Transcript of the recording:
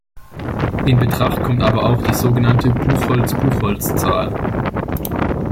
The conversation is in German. In Betracht kommt aber auch die sogenannte "Buchholz-Buchholz-Zahl".